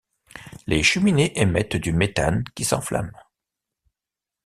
Les cheminées émettent du méthane qui s'enflamme.